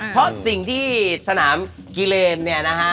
เพราะสิ่งที่สนามกิเลนเนี่ยนะฮะ